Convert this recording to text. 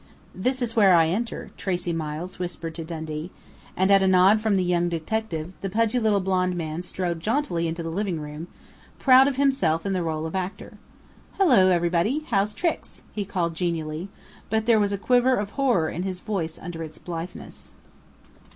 "This is where I enter," Tracey Miles whispered to Dundee, and, at a nod from the young detective, the pudgy little blond man strode jauntily into the living room, proud of himself in the role of actor. "Hello, everybody! How's tricks?" he called genially, but there was a quiver of horror in his voice under its blitheness.